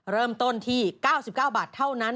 เริ่มต้นที่๙๙บาทเท่านั้น